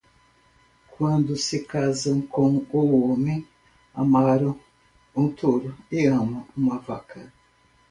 Quando se casam com o homem, amarram um touro e amam uma vaca.